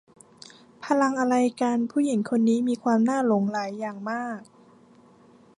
พลังอะไรกัน ผู้หญิงคนนี้มีความน่าหลงไหลอย่างมาก